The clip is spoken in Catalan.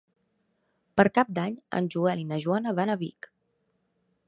Per Cap d'Any en Joel i na Joana van a Vic.